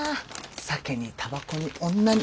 酒にたばこに女に。